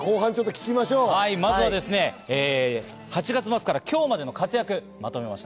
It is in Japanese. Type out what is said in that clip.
まずは８月末から今日までの活躍、まとめました。